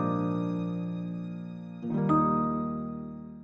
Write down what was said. โปรดติดตามตอนต่อไป